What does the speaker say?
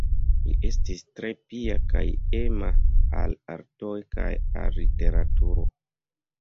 Li estis tre pia kaj ema al artoj kaj al literaturo.